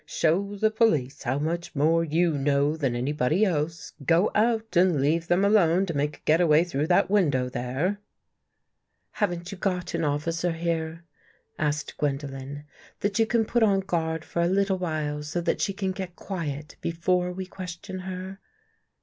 " Show the police how much more you know than anybody else. 120 THE FIRST CONFESSION Go out and leave them alone to make a get away through that window there." " Haven't you got an officer here," asked Gwen dolen, " that you can put on guard for a little while so that she can get quiet before we question her?